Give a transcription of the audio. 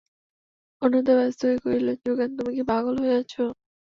অন্নদা ব্যস্ত হইয়া কহিলেন, যোগেন, তুমি কি পাগল হইয়াছ।